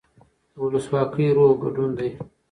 د ولسواکۍ روح ګډون دی